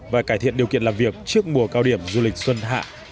và cải thiện điều kiện làm việc trước mùa cao điểm du lịch xuân hạ